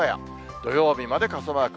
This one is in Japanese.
土曜日まで傘マーク。